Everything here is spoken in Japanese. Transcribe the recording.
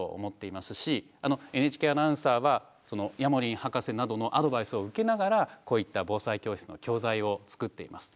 ＮＨＫアナウンサーはヤモリン博士などのアドバイスを受けながらこういった防災教室の教材を作っています。